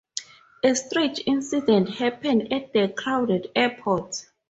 A strange incident happened at the crowded airport.